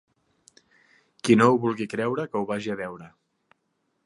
Qui no ho vulgui creure que ho vagi a veure.